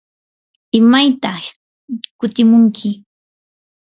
¿imaytaq kutimunki?